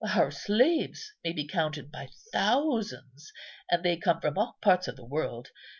Our slaves may be counted by thousands, and they come from all parts of the world.